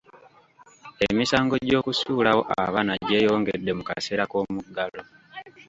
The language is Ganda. Emisango gy'okusuulawo abaana gyeyongedde mu kaseera k'omuggalo.